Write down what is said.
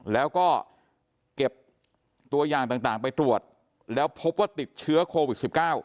แล้วก็เก็บตัวอย่างต่างไปตรวจแล้วพบว่าติดเชื้อโควิด๑๙